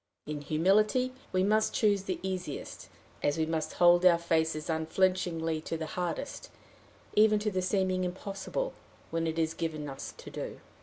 In humility we must choose the easiest, as we must hold our faces unflinchingly to the hardest, even to the seeming impossible, when it is given us to do.